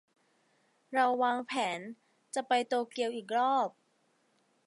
เราวางแพลนจะไปโตเกียวอีกรอบ